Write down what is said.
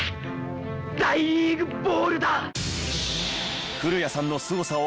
大リーグボールだ！